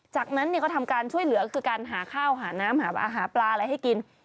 จากนั้นก็ทำการช่วยเหลือคือการหาข้าวหาน้ำหาปลาอะไรให้กิน